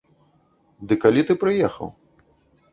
Ды калі ты прыехаў?